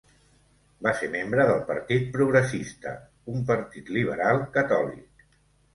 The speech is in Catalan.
Va ser membre del Partit Progressista, un partit liberal catòlic.